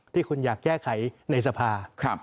ที่คุณอยากแก้ไขในสภา